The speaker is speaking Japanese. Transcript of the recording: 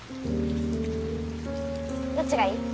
どっちがいい？